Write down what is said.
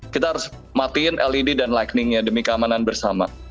kita harus matiin led dan lightningnya demi keamanan bersama